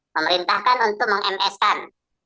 memerintahkan untuk meng ms kan